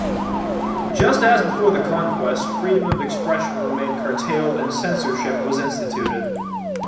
Just as before the conquest, freedom of expression remained curtailed and censorship was instituted.